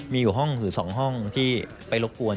มีอยู่ห้องหรือ๒ห้องที่ไปรบกวน